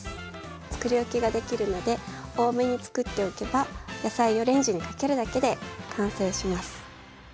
つくりおきができるので多めにつくっておけば野菜をレンジにかけるだけで完成します。